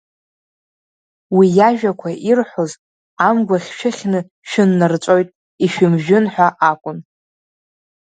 Уи иажәақәа ирҳәоз, амгәахь шәыхьны шәыннарҵәоит, ишәымжәын ҳәа акәын.